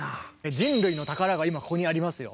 人類の宝が今ここにありますよ。